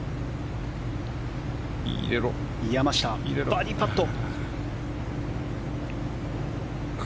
山下、バーディーパット。